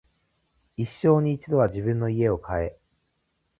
一生に一度は自分の家を買え